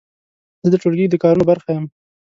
زه د ټولګي د کارونو برخه یم.